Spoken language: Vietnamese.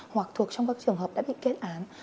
hoặc thuộc trong các trường hợp đã bị kết án